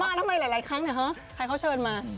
ทำไมหลายครั้งนะฮะใครเขาเชิญมา